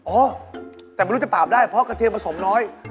โอ้แต่รู้ที่ปราบได้เพราะกระเทียมผสมน้อย